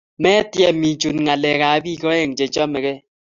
metiem I chute nyalek ab pik aeng che chamegei